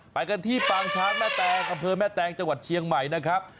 ไปกันที่ปางช้างแม่แตงอำเภอแม่แตงจังหวัดเชียงใหม่นะครับ